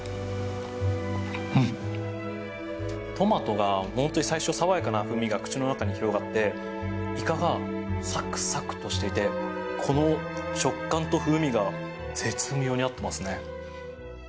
トマトが本当に最初、爽やかな風味が口の中に広がってイカがサクサクとしていてこの食感と風味が絶妙に合っていますね。